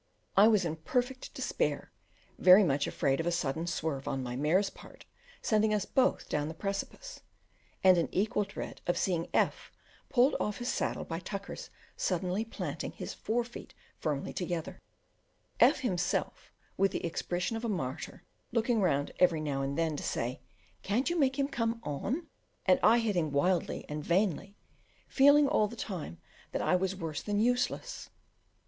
I was in perfect despair, very much afraid of a sudden swerve on my mare's part sending us both down the precipice, and in equal dread of seeing F pulled off his saddle by Tucker's suddenly planting his fore feet firmly together: F himself, with the expression of a martyr, looking round every now and then to say, "Can't you make him come on?" and I hitting wildly and vainly, feeling all the time that I was worse than useless.